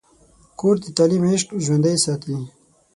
کورس د تعلیم عشق ژوندی ساتي.